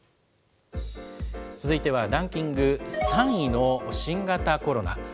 続いてはランキング３位の新型コロナ。